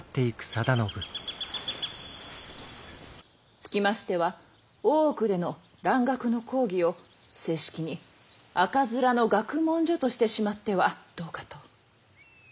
つきましては大奥での蘭学の講義を正式に赤面の学問所としてしまってはどうかと。